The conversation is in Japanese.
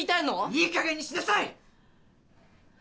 いいかげんにしなさい！